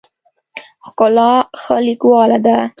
ښکلا ښه لیکواله ده.